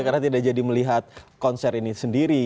karena tidak jadi melihat konser ini sendiri